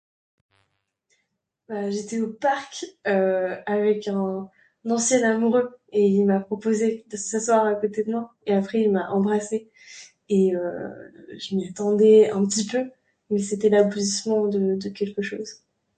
j,etais au parc avec un ancien copain m'a embrassé